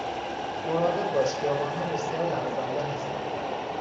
مراقب باش، خیابان ها بسیار لغزنده هستند.